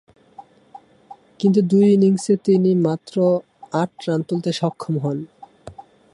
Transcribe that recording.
কিন্তু দুই ইনিংসে তিনি মাত্র আট রান তুলতে সক্ষম হন।